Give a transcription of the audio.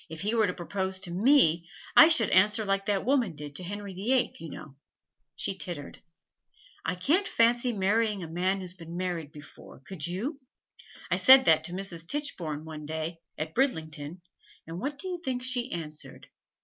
If he were to propose to me, I should answer like that woman did to Henry the Eighth, you know.' She tittered. 'I can't fancy marrying a man who's been married before, could you? I said that to Mrs. Tichborne one day, at Bridlington, and what do you think she answered?